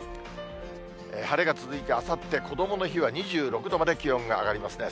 晴れが続いてあさって、こどもの日は２６度まで気温が上がりますね。